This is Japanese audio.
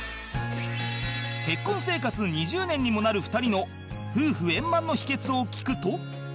結婚生活２０年にもなる２人の夫婦円満の秘訣を聞くと